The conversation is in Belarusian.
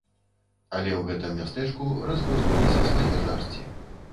Але ў гэтым мястэчку разгортваліся свае жарсці.